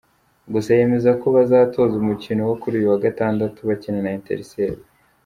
Gusa yemeza ko bazatoza umukino wo kuri uyu wa Gatandatu bakina na Etincelles.